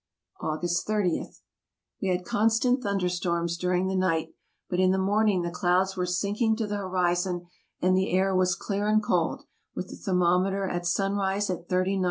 August jo. — We had constant thunder storms during the night, but in the morning the clouds were sinking to the horizon, and the air was clear and cold, with the thermom eter at sunrise at 3 90.